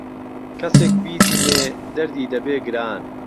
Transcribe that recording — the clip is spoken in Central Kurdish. کهسێک بيدينێ دهردی دهبێ گران